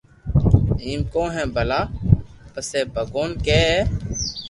ايم ڪون ھي ڀلا پسي ڀگوان ڪي اي